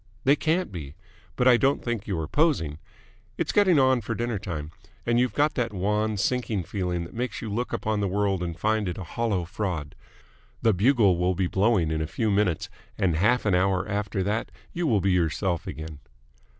"They can't be. But I don't think you are posing. It's getting on for dinner time, and you've got that wan, sinking feeling that makes you look upon the world and find it a hollow fraud. The bugle will be blowing in a few minutes, and half an hour after that you will be yourself again."